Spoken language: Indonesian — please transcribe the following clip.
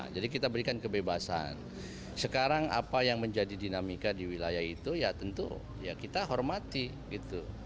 jadi kita berikan kebebasan sekarang apa yang menjadi dinamika di wilayah itu ya tentu ya kita hormati gitu